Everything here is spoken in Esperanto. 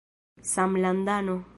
samlandano